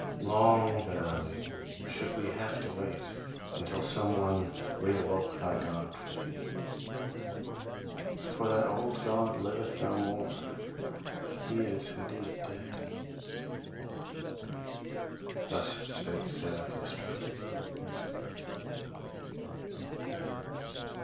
Long, verily, should we have to wait until some one re awoke thy God for thee. For that old God liveth no more: he is indeed dead." Thus spake Zarathustra.